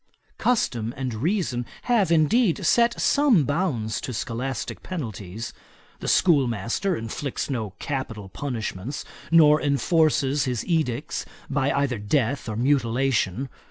Custom and reason have, indeed, set some bounds to scholastick penalties. The schoolmaster inflicts no capital punishments; nor enforces his edicts by either death or mutilation.